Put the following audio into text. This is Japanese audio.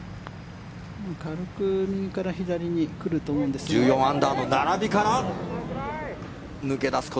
軽く右から左に来ると思うんですよ。